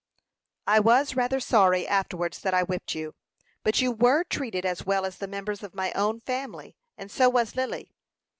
"I was rather sorry afterwards that I whipped you; but you were treated as well as the members of my own family; and so was Lily."